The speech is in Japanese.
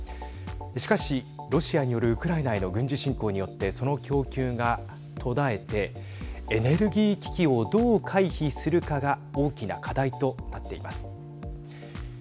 しかしロシアによるウクライナへの軍事侵攻によってその供給が途絶えてエネルギー危機をどう回避するかが大きな課題となっています。